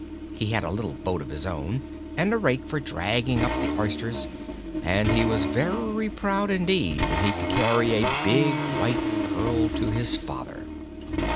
He had a little boat of his own and a rake for dragging up the oysters and he was very proud indeed when he could carry a big white pearl to his father.